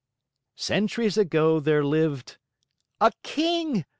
Centuries ago there lived "A king!"